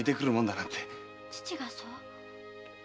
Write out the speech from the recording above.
父がそう？